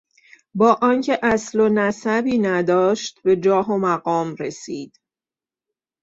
با آنکه اصل و نسبی نداشت به جاه و مقام رسید.